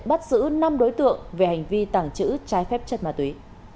bắt giữ năm đối tượng về hành vi tẳng chữ trái phép chất ma túy